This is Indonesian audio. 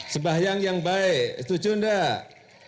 sebayang yang baik setuju enggak